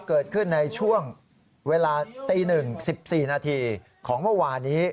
เกิดขึ้นในช่วงเวลาตี๑๑๔นาทีของเมื่อวานี้